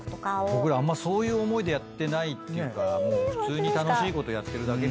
僕らあんまそういう思いでやってないっていうか楽しいことやってるだけみたいな。